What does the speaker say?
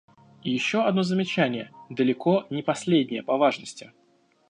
И еще одно замечание, далеко не последнее по важности.